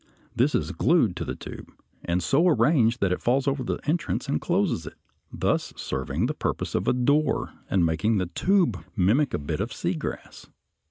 This is glued to the tube and so arranged that it falls over the entrance and closes it, thus serving the purpose of a door and making the tube mimic a bit of sea grass.